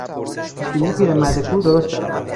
پیشبینی پیرمرد کور درست درآمد.